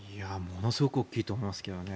ものすごく大きいと思いますけどね。